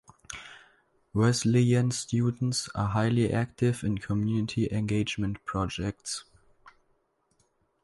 Wesleyan students are highly active in community engagement projects.